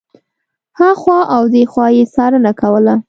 هخوا او دېخوا یې څارنه کوله.